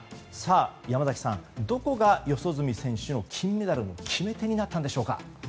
山崎さんどこが四十住選手の金メダルの決め手になったんでしょうか。